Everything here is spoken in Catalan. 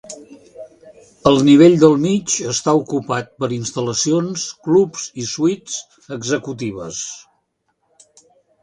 El nivell del mig està ocupat per instal·lacions, clubs i suites executives.